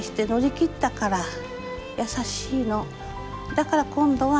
だから今度は